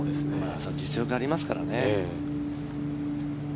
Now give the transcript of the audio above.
実力はありますからね。